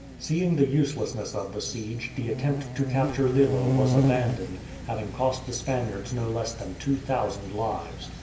Seeing the uselessness of the siege, the attempt to capture Lillo was abandoned, having cost the Spaniards no less than two thousand lives.